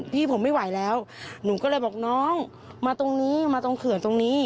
พี่ผมไม่ไหวแล้วหนูก็เลยบอกน้องมาตรงนี้มาตรงเขื่อนตรงนี้